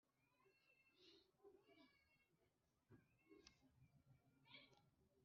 umuhango wo gushyingura umudamu wabereye mu rusengero rwaho.